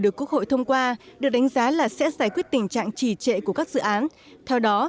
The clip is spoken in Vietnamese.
được quốc hội thông qua được đánh giá là sẽ giải quyết tình trạng trì trệ của các dự án theo đó